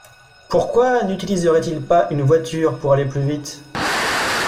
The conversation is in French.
Pourquoi n’utiliserait-il pas une voiture pour aller plus vite?